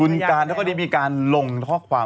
คุณการมันก็เลยมีการลงข้อความ